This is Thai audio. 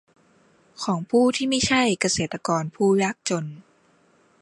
ของผู้ที่มิใช่เกษตรกรผู้ยากจน